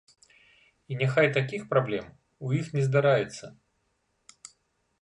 І няхай такіх праблем у іх не здараецца!